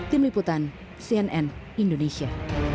tim liputan cnn indonesia